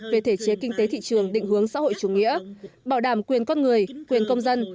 về thể chế kinh tế thị trường định hướng xã hội chủ nghĩa bảo đảm quyền con người quyền công dân